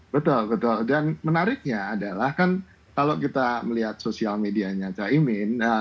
betul betul dan menariknya adalah kan kalau kita melihat sosial medianya caimin